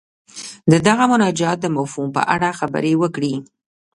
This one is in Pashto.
د دغه مناجات د مفهوم په اړه خبرې وکړي.